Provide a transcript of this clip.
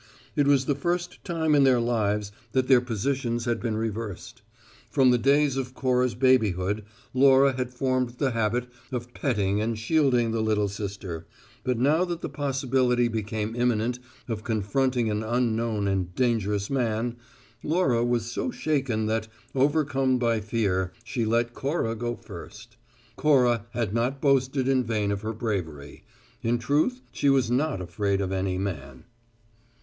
It was the first time in their lives that their positions had been reversed. From the days of Cora's babyhood, Laura had formed the habit of petting and shielding the little sister, but now that the possibility became imminent of confronting an unknown and dangerous man, Laura was so shaken that, overcome by fear, she let Cora go first. Cora had not boasted in vain of her bravery; in truth, she was not afraid of any man.